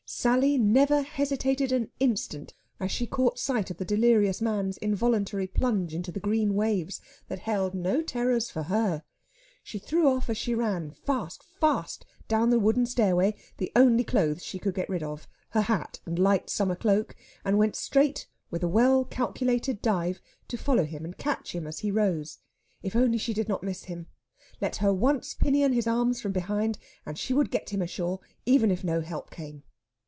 Sally never hesitated an instant as she caught sight of the delirious man's involuntary plunge into the green waves that had no terrors for her. She threw off as she ran, fast, fast down the wooden stairway, the only clothes she could get rid of her hat and light summer cloak and went straight, with a well calculated dive, to follow him and catch him as he rose. If only she did not miss him! Let her once pinion his arms from behind, and she would get him ashore even if no help came.